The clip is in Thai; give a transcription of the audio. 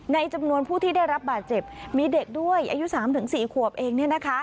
ในจำนวนผู้ที่ได้รับบาดเจ็บมีเด็กด้วยอายุ๓๔ขวบเอง